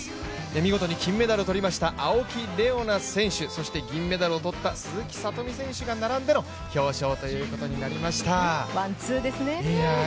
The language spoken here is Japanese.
見事に金メダルをとりました青木玲緒樹選手、そして銀メダルをとった鈴木聡美選手が並んでのワンツーですね。